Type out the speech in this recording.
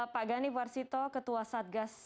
pak gani warsito ketua satgas